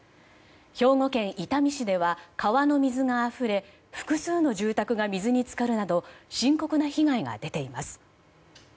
兵庫県伊丹市では川の水があふれ複数の住宅が水に浸かるなど深刻な被害が出ています。